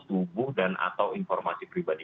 tubuh dan atau informasi pribadi